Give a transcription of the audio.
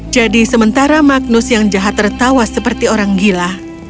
jadi sementara magnus yang jahat tertawa seperti orang gila